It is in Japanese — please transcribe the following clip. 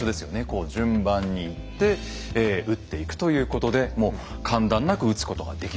こう順番に行って撃っていくということでもう間断なく撃つことができるという。